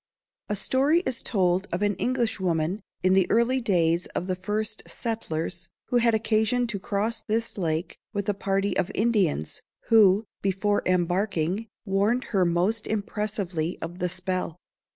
A story is told of an Englishwoman, in the early days of the first settlers, who had occasion to cross this lake with a party of Indians, who, before embarking, warned her most impressively of the spell.